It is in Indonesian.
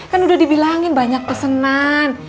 kan udah dibilangin banyak pesenan